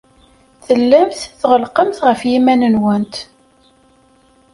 Tellamt tɣellqemt ɣef yiman-nwent.